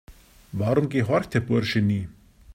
Warum gehorcht der Bursche nie?